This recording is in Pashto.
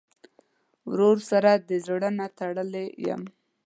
ورور سره د زړه نه تړلې یې.